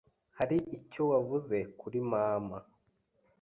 Hari icyo wavuze kuri mama.